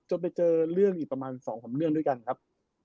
จนไปเจอเรื่องประมาณ๒คำเนื่องด้วยกันครับ